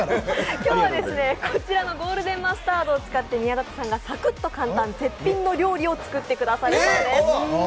今日はこちらのゴールデンマスタードを使って宮舘さんがサクッと簡単絶品の料理を作ってくれるそうです。